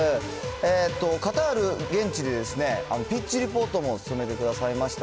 カタール、現地でピッチリポートも務めてくださいました